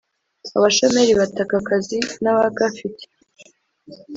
abashomeri bataka akazi nabagafite